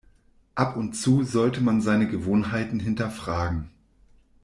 Ab und zu sollte man seine Gewohnheiten hinterfragen.